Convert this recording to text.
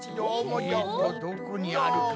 えっとどこにあるかな？